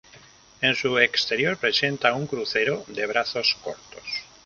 En su exterior presenta un crucero de brazos cortos.